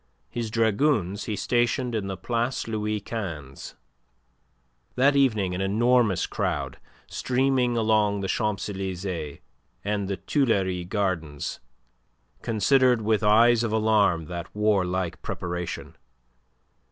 His dragoons he stationed in the Place Louis XV. That evening an enormous crowd, streaming along the Champs Elysees and the Tuileries Gardens, considered with eyes of alarm that warlike preparation.